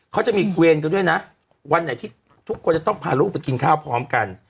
เขาจะมีเครนกันด้วยนะวันไหนที่ทุกคนจะต้องพาลูกไปกินข้าวพร้อมกัน